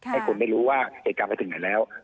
ให้คนได้รู้ว่าเหตุการณ์ไปถึงไหนแล้ว